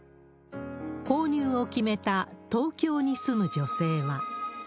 購入を決めた東京に住む女性は。